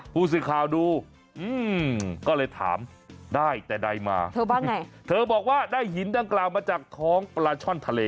ผู้สื่อข่าวดูก็เลยถามได้แต่ใดมาเธอว่าไงเธอบอกว่าได้หินดังกล่าวมาจากท้องปลาช่อนทะเล